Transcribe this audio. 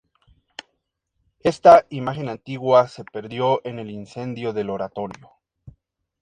Esta imagen antigua se perdió en el incendio del Oratorio.